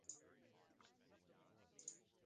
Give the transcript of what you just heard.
She has previously taught at the University at Buffalo.